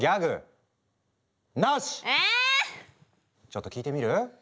ちょっと聞いてみる？